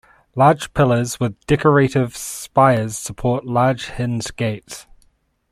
Large pillars with decorative spires support large hinged gates.